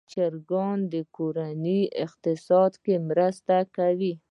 چرګان د کورنۍ اقتصاد کې مرسته کوي.